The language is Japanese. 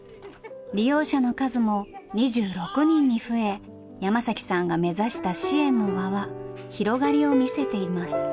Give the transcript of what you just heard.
利用者の数も２６人に増え山さんが目指した支援の輪は広がりを見せています。